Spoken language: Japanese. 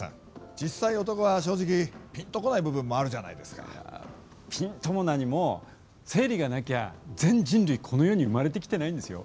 実際、男は正直ピンと来ないピンとも何も生理がなきゃ全人類この世に生まれてきてないんですよ？